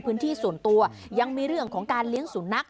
สุดทนแล้วกับเพื่อนบ้านรายนี้ที่อยู่ข้างกัน